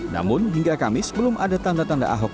namun hingga kamis belum ada tanda tanda ahok